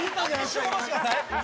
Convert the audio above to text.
一瞬戻してください。